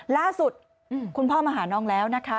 ล่าสุดคุณพ่อมาหาน้องแล้วนะคะ